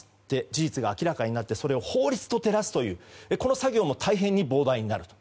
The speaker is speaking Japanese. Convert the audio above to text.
事実が明らかになってそれを法律と照らすというこの作業も大変に膨大になると。